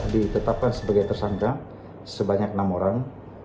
ditetapkan sebagai tersangka sebanyak enam orang